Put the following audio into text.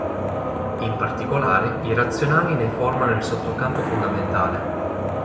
In particolare, i razionali ne formano il sottocampo fondamentale.